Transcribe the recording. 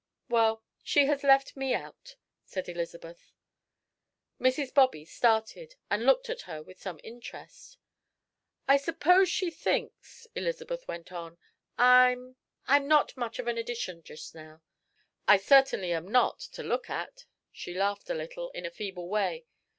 "Well, she has left me out," said Elizabeth. Mrs. Bobby started and looked at her with some interest. "I suppose she thinks," Elizabeth went on, "I I'm not much of an addition just now. I certainly am not, to look at." She laughed a little, in a feeble way.